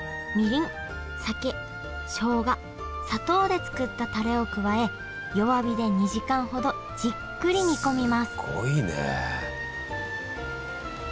酒しょうが砂糖で作ったタレを加え弱火で２時間ほどじっくり煮込みます